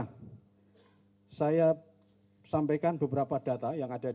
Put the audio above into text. nah saya sampaikan beberapa data yang ada di